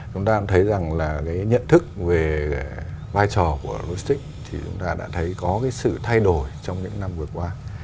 chúng ta cũng thấy rằng là cái nhận thức về vai trò của logistics thì chúng ta đã thấy có cái sự thay đổi trong những năm vừa qua